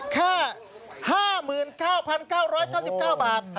แค่๕๙๙๙๙บาท